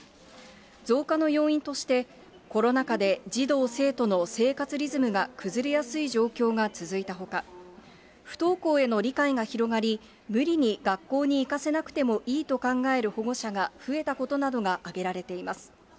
増加の要因として、コロナ禍で児童・生徒の生活リズムが崩れやすい状況が続いたほか、不登校への理解が広がり、無理に学校に行かせなくてもいいと考える保護者が増えたことなどが挙げられています。